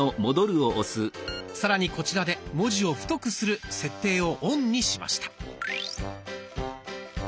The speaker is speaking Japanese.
さらにこちらで「文字を太くする」設定をオンにしました。